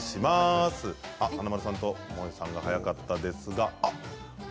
華丸さんと、もえさんが早かったですね。